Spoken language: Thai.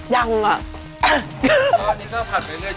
ยังอ่ะ